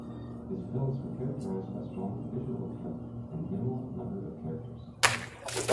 His films were characterised by strong "visual appeal" and minimal number of characters.